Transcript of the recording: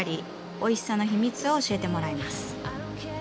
おいしさの秘密を教えてもらいます。